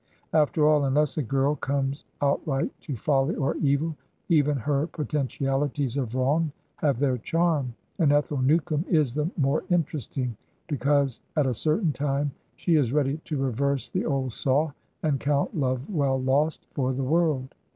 After all, unless a girl comes outright to folly or evil, even her potentialities of wrong have their charm, and Ethel Newcome is the more interesting because at a certain time she is ready to reverse the old saw and count love well lost for the world.